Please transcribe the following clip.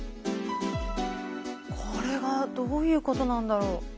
これがどういうことなんだろう？